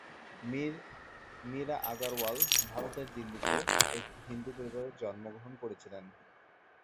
মীরা আগরওয়াল ভারতের দিল্লিতে একটি হিন্দু পরিবারে জন্মগ্রহণ করেছিলেন।